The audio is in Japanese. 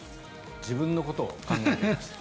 自分のことを考えている。